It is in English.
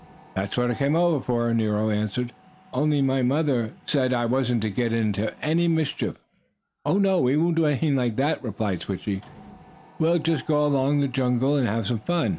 "That's what I came over for," Nero answered. "Only my mother said I wasn't to get into any mischief." "Oh, no, we won't do anything like that!" replied Switchie. "We'll just go along in the jungle and have some fun.